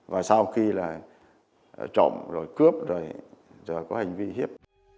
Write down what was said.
và sau khi là trộm rồi cướp rồi rồi có hành vi hiếp